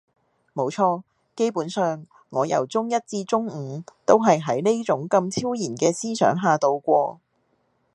冇錯，基本上，我由中一至中五都係喺呢種咁超然嘅思想下度過